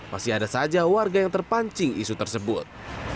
masih ada saja warga yang terpancing isu tersebut